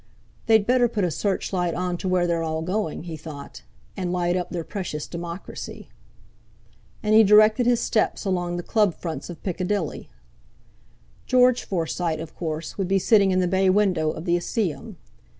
'They'd better put a search light on to where they're all going,' he thought, 'and light up their precious democracy!' And he directed his steps along the Club fronts of Piccadilly. George Forsyte, of course, would be sitting in the bay window of the Iseeum.